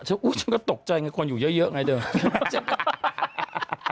ฉันก็ตกใจไงควรอยู่เยอะอย่างไรเถอะ